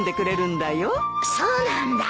そうなんだ。